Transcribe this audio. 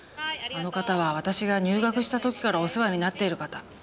あの方は私が入学した時からお世話になっている方。